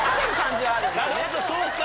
なるほどそうか。